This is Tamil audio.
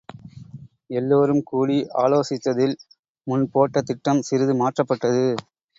எல்லோரும் கூடிஆலோசித்ததில் முன்போட்டதிட்டம் சிறிது மாற்றப்பட்டது.